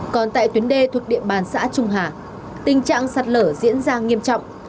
còn tại tuyến đê thuộc địa bàn xã trung hà tình trạng sạt lở diễn ra nghiêm trọng